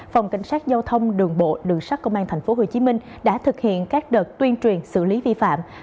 phòng cảnh sát giao thông đường bộ đường sát công an tp hcm đã thực hiện các đợt tuyên truyền xử lý vi phạm